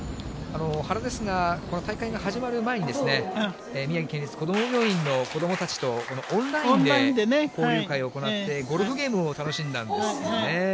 原ですが、この大会が始まる前に、宮城県立こども病院の子どもたちと、オンラインで交流会を行って、ゴルフゲームを楽しんだんですよね。